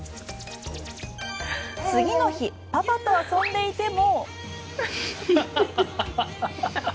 次の日、パパと遊んでいても。